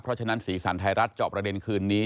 เพราะฉะนั้นสีสันไทยรัฐจอบประเด็นคืนนี้